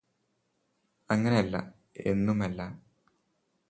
അങ്ങനെ അല്ല എന്നും അല്ലേ